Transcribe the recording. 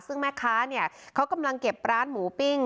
ซึ่งแม่ค้าเนี่ยเขากำลังเก็บร้านหมูปิ้ง